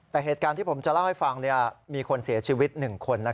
แต่เหตุการณ์ที่ผมจะเล่าให้ฟังมีคนเสียชีวิต๑คน